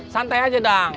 santai aja dam